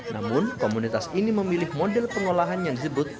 namun komunitas ini memilih model pengolahan yang disebut